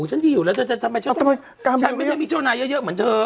การปรุงอาจไม่ได้มีเจ้านายเยอะเยอะเหมือนเธอ